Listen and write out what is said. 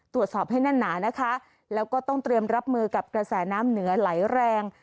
ตรวจสอบให้แน่นหนานะคะแล้วก็ต้องเตรียมรับมือกับกระแสน้ำเหนือไหลแรง